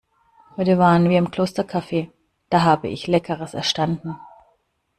Heute waren wir im Klostercafe, da habe ich Leckeres erstanden.